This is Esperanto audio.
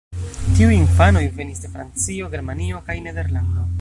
Tiuj infanoj venis de Francio, Germanio kaj Nederlando.